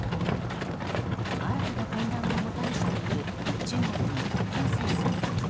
新たな混乱をもたらしている中国のコロナ政策。